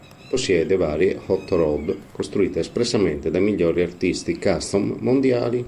Possiede varie hot rod costruite espressamente dai migliori artisti custom mondiali.